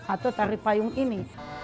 atau tari payung ini